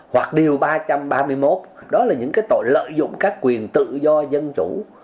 hoặc điều ba trăm ba mươi một đó là những tội lợi dụng các quyền tự do dân chủ